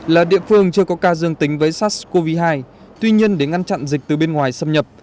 là địa phương chưa có ca dương tính với sars cov hai tuy nhiên để ngăn chặn dịch từ bên ngoài xâm nhập